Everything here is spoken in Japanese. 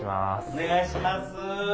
お願いします。